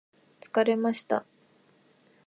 疲れました